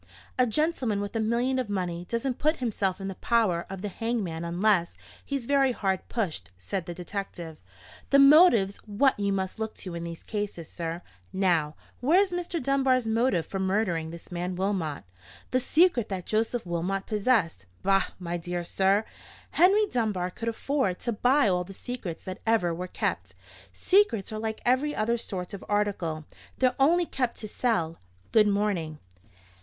"A gentleman with a million of money doesn't put himself in the power of the hangman unless he's very hard pushed," said the detective. "The motive's what you must look to in these cases, sir. Now, where's Mr. Dunbar's motive for murdering this man Wilmot?" "The secret that Joseph Wilmot possessed——" "Bah, my dear sir! Henry Dunbar could afford to buy all the secrets that ever were kept. Secrets are like every other sort of article: they're only kept to sell. Good morning."